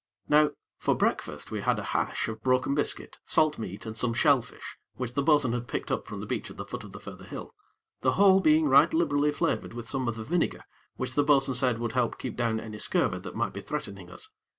Now for breakfast, we had a hash of broken biscuit, salt meat and some shell fish which the bo'sun had picked up from the beach at the foot of the further hill; the whole being right liberally flavored with some of the vinegar, which the bo'sun said would help keep down any scurvy that might be threatening us.